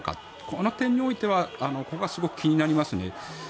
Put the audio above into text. この点においてはここはすごく気になりますね。